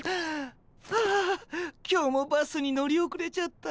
ああ今日もバスに乗り遅れちゃった。